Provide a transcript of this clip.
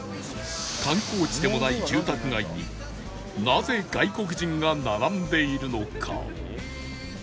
観光地でもない住宅街になぜ外国人が並んでいるのか？